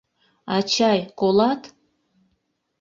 Ачай, колат?